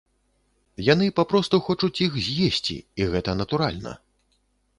Яны папросту хочуць іх з'есці, і гэта натуральна.